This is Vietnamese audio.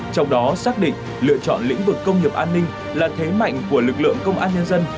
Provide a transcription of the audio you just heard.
trong đó xác định lựa chọn lĩnh vực công nghiệp an ninh là thế mạnh của lực lượng công an nhân dân